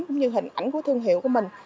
cũng như hình ảnh của thương hiệu của mình